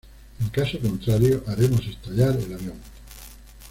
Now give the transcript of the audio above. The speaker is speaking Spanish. En caso contrario, haremos estallar el avión.